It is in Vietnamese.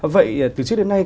vậy từ trước đến nay